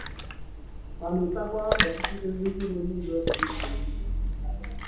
ma mịtakwa ọtụtụ ezi mkpụrụ n'ụzọ dị iche iche